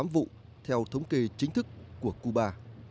sáu trăm ba mươi tám vụ theo thống kê chính thức của cuba